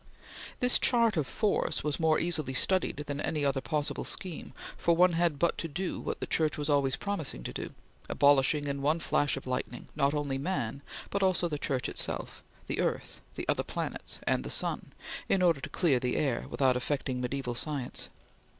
This chart of Force was more easily studied than any other possible scheme, for one had but to do what the Church was always promising to do abolish in one flash of lightning not only man, but also the Church itself, the earth, the other planets, and the sun, in order to clear the air; without affecting mediaeval science.